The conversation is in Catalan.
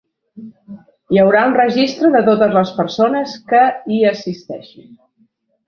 Hi haurà un registre de totes les persones que hi assisteixin.